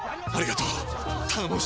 ありがとう！